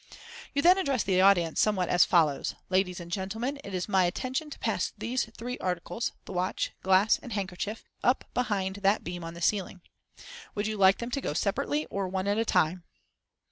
You then address the audience somewhat as follows:— "Ladies and Gentlemen, it is my intention to pass these three articles—the watch, glass and handkerchief—up behind that beam on the ceiling. Would you like them to go separately or one at a time?"